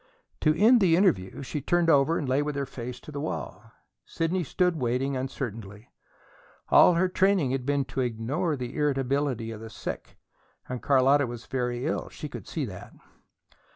To end the interview, she turned over and lay with her face to the wall. Sidney stood waiting uncertainly. All her training had been to ignore the irritability of the sick, and Carlotta was very ill; she could see that.